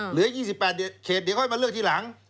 เหลือ๒๘เขตเดี๋ยวค่อยมาเลือกทีหลัง